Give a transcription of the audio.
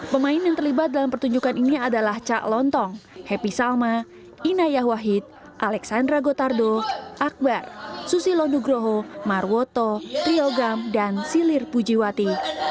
pemain yang terlibat dalam pertunjukan ini adalah cak lontong happy salma inayah wahid alexandra gotardo akbar susi londugroho marwoto triyogam dan silir pujiwati